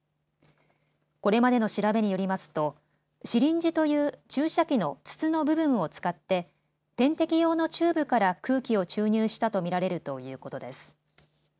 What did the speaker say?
これまでの調べによりますとシリンジという注射器の筒の部分を使って点滴用のチューブから空気を注入したと見られるということです。